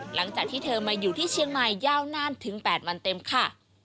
หลังจากที่เธอมาอยู่ที่เชียงใหม่ยาวนานถึง๘วันเต็มค่ะ